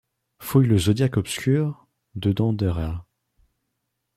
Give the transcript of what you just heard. Fouille le zodiaque obscur, de Denderah ;